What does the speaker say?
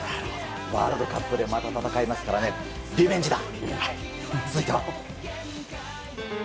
ワールドカップでまた戦えますから、リベンジだ。